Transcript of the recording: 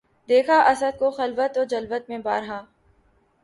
دیکھا اسدؔ کو خلوت و جلوت میں بار ہا